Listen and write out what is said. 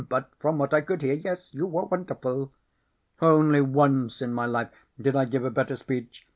But from what I could hear, yes, you were wonderful." "Only once in my life did I give a better speech.